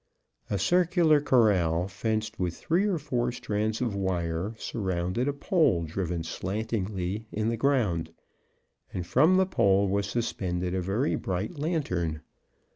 A circular corral, fenced with three or four strands of wire, surrounded a pole driven slantingly in the ground, and from the pole was suspended a very bright lantern.